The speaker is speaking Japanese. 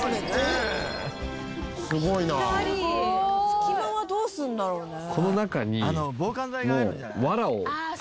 「隙間はどうするんだろうね？」